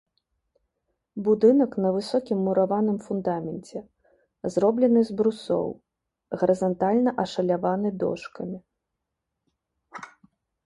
Будынак на высокім мураваным фундаменце, зроблены з брусоў, гарызантальна ашаляваны дошкамі.